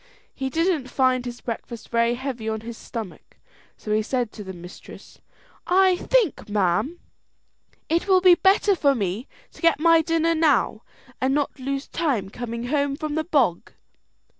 He didn't find his breakfast very heavy on his stomach; so he said to the mistress, "I think, ma'am, it will be better for me to get my dinner now, and not lose time coming home from the bog."